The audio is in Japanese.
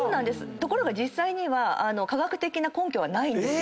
ところが実際には科学的な根拠はないんですよ。